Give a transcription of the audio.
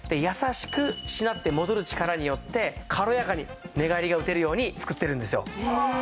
優しくしなって戻る力によって軽やかに寝返りが打てるように作ってるんですよ。